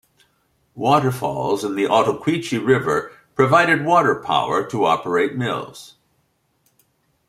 Waterfalls in the Ottauquechee River provided water power to operate mills.